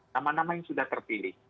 nama nama yang sudah terpilih